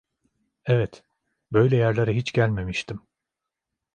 Evet, Böyle yerlere hiç gelmemiştim.